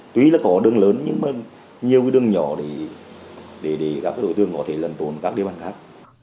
tuy là có đường lớn nhưng mà nhiều đường nhỏ để các đội thương có thể lần tồn các địa bàn khác